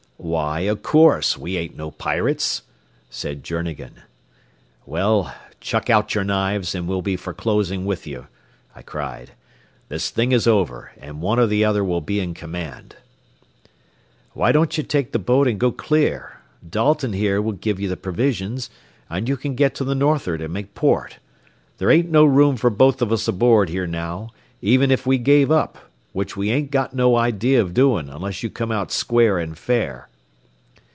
"Why o' course, we ain't no pirates," said Journegan. "Well, chuck out your knives, or we'll be for closing with you," I cried. "This thing is over, and one or the other will be in command." "Why don't ye take the boat an' go clear? Dalton, here, will give ye the provisions, an' you can get to the north'ard and make port. There ain't no room for both of us aboard here now, even if we gave up, which we ain't got no idea o' doin' unless you come out square an' fair."